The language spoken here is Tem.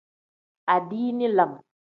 Adiini lam.